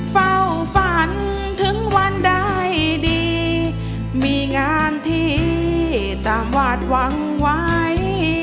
เฝ้าฝันถึงวันได้ดีมีงานที่ตามวาดหวังไว้